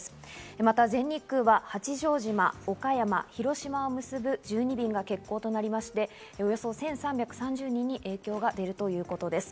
また、全日空は八丈島、岡山、広島を結ぶ１２便が欠航となりまして、およそ１３３０人に影響が出るということです。